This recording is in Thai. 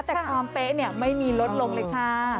แต่ความเป๊ะเนี่ยไม่มีลดลงเลยค่ะ